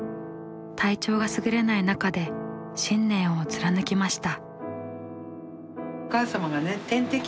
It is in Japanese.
体調がすぐれない中で信念を貫きました。